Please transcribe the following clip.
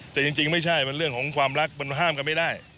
แต่จริงไม่ใช่มันเรื่องของความรักมันห้ามกันไม่ได้